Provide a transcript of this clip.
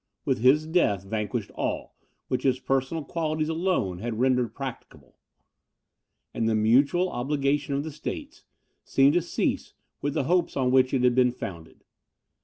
With his death vanished all, which his personal qualities alone had rendered practicable; and the mutual obligation of the states seemed to cease with the hopes on which it had been founded.